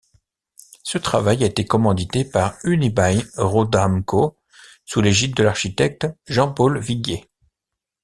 Ce travail a été commandité par Unibail-Rodamco, sous l’égide de l’architecte Jean-Paul Viguier.